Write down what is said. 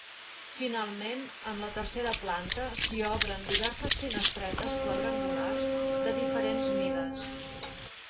Finalment, en la tercera planta s'hi obren diverses finestretes quadrangulars, de diferents mides.